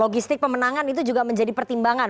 logistik pemenangan itu juga menjadi pertimbangan